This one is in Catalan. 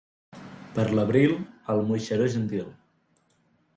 Per l'abril, el moixernó gentil.